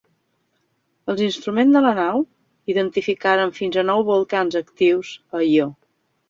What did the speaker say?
Els instruments de la nau identificaren fins a nou volcans actius a Ió.